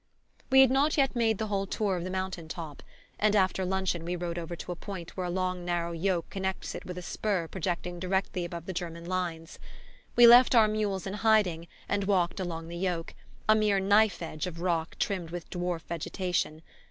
We had not yet made the whole tour of the mountain top; and after luncheon we rode over to a point where a long narrow yoke connects it with a spur projecting directly above the German lines. We left our mules in hiding and walked along the yoke, a mere knife edge of rock rimmed with dwarf vegetation.